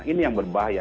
ini yang berbahaya